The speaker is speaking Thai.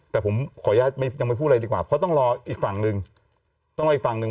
แต่ผมขออนุญาตยังไม่พูดอะไรดีกว่าเพราะต้องรออีกฝั่งนึง